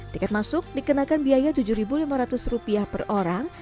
tiket masuk dikenakan biaya tujuh ribu lima ratus rupiah per orang